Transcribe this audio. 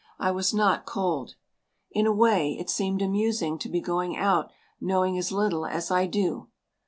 I was not cold. In a way it seemed amusing to be going out knowing as little as I do.